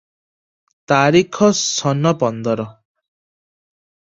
ତାରିଖ ସନ ପନ୍ଦର ।